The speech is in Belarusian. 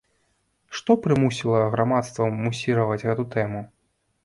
Што прымусіла грамадства мусіраваць гэту тэму?